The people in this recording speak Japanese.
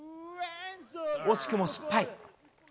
惜しくも失敗。